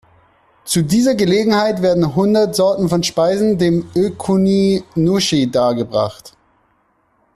Zu dieser Gelegenheit werden hundert Sorten von Speisen dem Ō-kuni-nushi dargebracht.